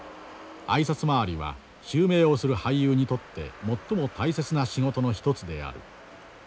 挨拶回りは襲名をする俳優にとって最も大切な仕事の一つである。